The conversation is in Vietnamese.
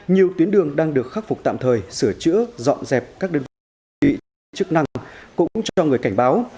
nhiều tuyến đường đang được khắc phục tạm thời sửa chữa dọn dẹp các đơn vị chức năng cũng cho người cảnh báo